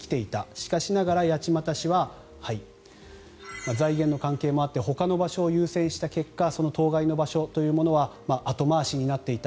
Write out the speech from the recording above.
しかしながら八街市は財源の関係もあってほかの場所を優先した結果その当該の場所というのは後回しになっていた。